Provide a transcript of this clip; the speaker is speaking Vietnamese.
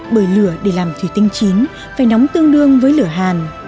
bởi lửa để làm thủy tinh chín phải nóng tương đương với lửa hàn